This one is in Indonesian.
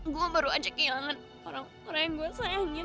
gue baru aja kehilangan orang orang yang gue sayangin